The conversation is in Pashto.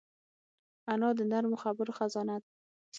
انا د نرمو خبرو خزانه ده